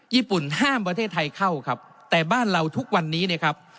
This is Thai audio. ญี่ปุ่นห้ามประเทศไทยเข้าครับแต่บ้านเราทุกวันนี้เนี่ยครับ